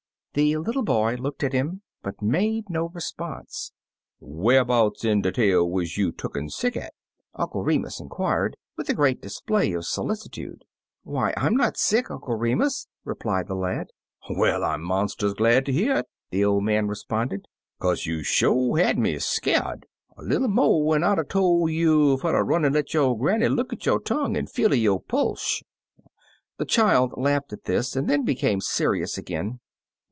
The little boy looked at him, but made no response. "Wharbouts in de talc wuz you tooken sick at?" Uncle Remus in quired, with a great display of solicitude. *'Why, Tm not sick, Uncle Remus," replied the lad. "Well, I'm monstus glad ter hear it," the old man responded, "kase you sho' had me skeer'd, A little mo', an' I 'd 'a' tol' you fer ter run an' let yo' granny look at yo' tongue an' feel er yo' pulsh." The child laughed at this, and then became serious again.